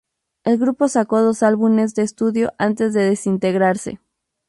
El grupo sacó dos álbumes de estudio antes de desintegrarse.